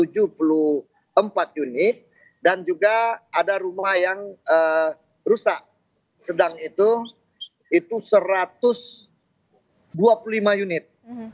jadi ada satu ratus tujuh puluh empat unit dan juga ada rumah yang rusak sedang itu itu satu ratus dua puluh lima unit